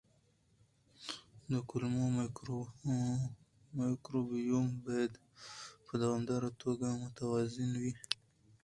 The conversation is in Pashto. د کولمو مایکروبیوم باید په دوامداره توګه متوازن وي.